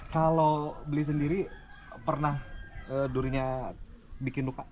kalau beli sendiri pernah durinya bikin luka